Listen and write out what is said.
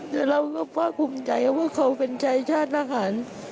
แต่เราก็ภาคภูมิใจว่าเขาเป็นชายชาติทหาร